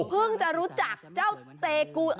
เพิ่งจะรู้จักเจ้าเตกู